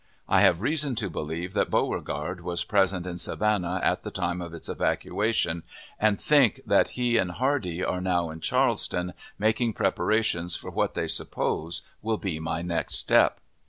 I have reason to believe that Beauregard was present in Savannah at the time of its evacuation, and think that he and Hardee are now in Charleston, making preparations for what they suppose will be my next step.